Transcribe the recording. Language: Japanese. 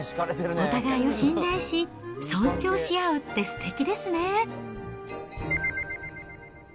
お互いを信頼し、尊重し合うってすてきですね。